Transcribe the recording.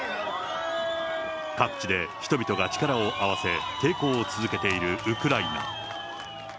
各地で人々が力を合わせ、抵抗を続けているウクライナ。